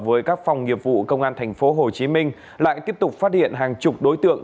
với các phòng nghiệp vụ công an thành phố hồ chí minh lại tiếp tục phát hiện hàng chục đối tượng